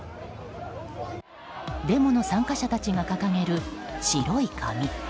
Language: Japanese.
デモの参加者たちが掲げる白い紙。